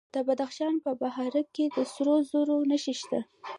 د بدخشان په بهارک کې د سرو زرو نښې شته.